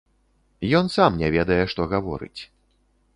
Ён сам не ведае, што гаворыць.